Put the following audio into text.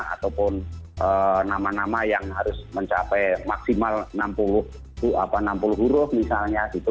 ataupun nama nama yang harus mencapai maksimal enam puluh huruf misalnya gitu